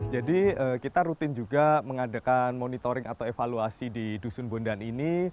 jadi kita rutin juga mengadakan monitoring atau evaluasi di dusun bondan ini